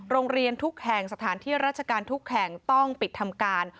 โรงเรียนทุกแห่งสถานที่ราชการทุกแห่งต้องปิดทำการ